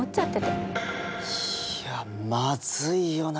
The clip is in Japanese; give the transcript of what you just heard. いやまずいよな